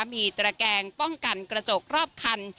มีตระแกงป้องกันกระจกรอบคัน